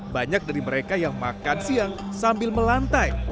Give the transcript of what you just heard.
banyak dari mereka yang makan siang sambil melantai